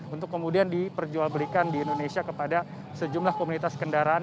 untuk kemudian diperjualbelikan di indonesia kepada sejumlah komunitas kendaraan